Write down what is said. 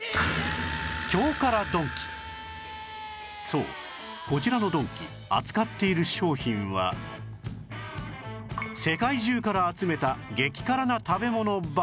そうこちらのドンキ扱っている商品は世界中から集めた激辛な食べ物ばかり